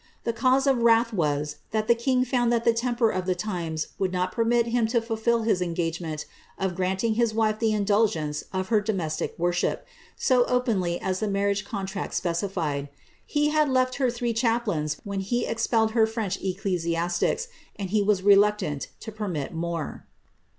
The cause of wrath was, that the king found that the temper of tlie times would not permit him to fulfil his engagement of granting to his wife the indulgence of her domestic worship, so openly as the marriage con tract specified. He had left her three chaplains when he expelled her French ecclesiastics, and he was reluctant to permit more.